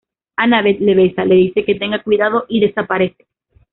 Annabeth le besa, le dice que tenga cuidado y desaparece.